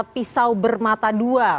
pisau bermata dua